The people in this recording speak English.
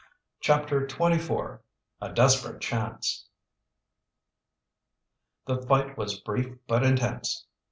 CHAPTER XXIV A DESPERATE CHANCE The fight was brief but intense.